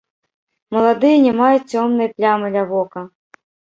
Маладыя не маюць цёмнай плямы ля вока.